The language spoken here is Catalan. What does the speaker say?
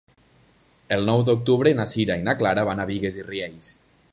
El nou d'octubre na Sira i na Clara van a Bigues i Riells.